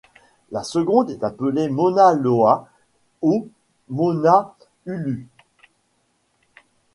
La seconde est appelée Mauna Loa o Mauna Ulu.